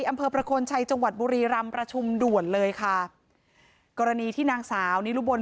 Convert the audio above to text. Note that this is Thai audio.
อำเภอประโคนชัยจังหวัดบุรีรำประชุมด่วนเลยค่ะกรณีที่นางสาวนิรุบน